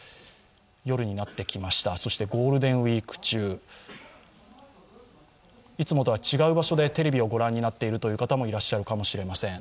夜になってきました、そしてゴールデンウイーク中いつもとは違う場所でテレビを御覧になっている方もいらっしゃるかもしれません。